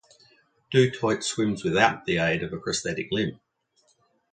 Du Toit swims without the aid of a prosthetic limb.